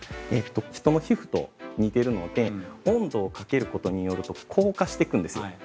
◆人の皮膚と似ているので、温度をかけることによると硬化していくんですよ。